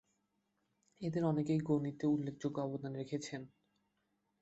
এঁদের অনেকেই গণিতে উল্লেখযোগ্য অবদান রেখেছেন।